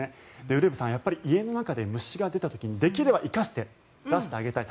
ウルヴェさん家の中で虫が出た時にできれば生かして出してあげたい。